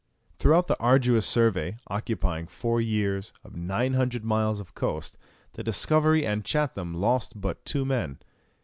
Throughout the arduous survey, occupying four years, of 900 miles of coast, the Discovery and Chatham lost but two men.